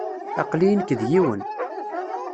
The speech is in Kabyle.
Aql-iyi nekk d yiwen.